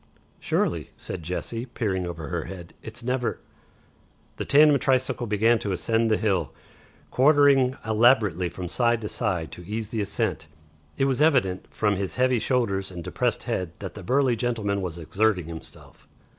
"Surely," said Jessie, peering under her hand. "It's never " The tandem tricycle began to ascend the hill, quartering elaborately from side to side to ease the ascent. It was evident, from his heaving shoulders and depressed head, that the burly gentleman was exerting himself.